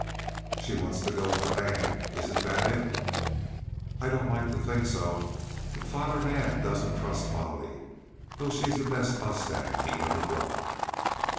"She wants to go with the band; isn't that it?" "I don't like to think so. But Father Naab doesn't trust Bolly, though she's the best mustang he ever broke."